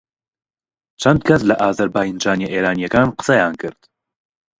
چەند کەس لە ئازەربایجانییە ئێرانییەکان قسەیان کرد